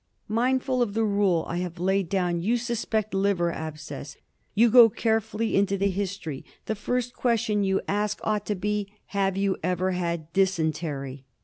Mindful of the rule I have laid down, you suspect liver abscess. You go carefully into the history. The first question you ask ought to be, " Have you ever had dysentery?"